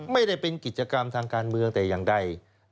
ไม่ได้เป็นกิจกรรมทางการเมืองแต่อย่างใด